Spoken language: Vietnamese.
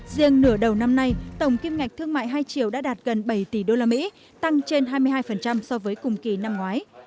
riêng nửa đầu năm nay tổng kiếm ngạch thương mại hai chiều đã đạt gần bảy tỷ đô la mỹ tăng trên hai mươi hai so với cùng kỳ năm ngoái